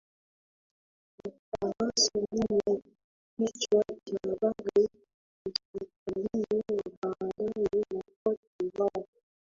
la ufaransa lina kichwa cha habari mustakabali wa baadaye wa cote de voire